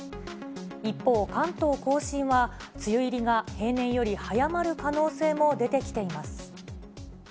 一方、関東甲信は梅雨入りが平年より早まる可能性も出てきています。